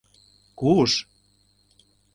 Куш?